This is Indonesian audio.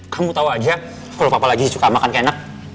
kamu tahu aja kok papa lagi suka makan enak